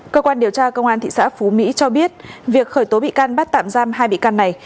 cơ quan điều tra công an thị xã phú mỹ cho biết việc khởi tố bị can bắt tạm giam hai bị can này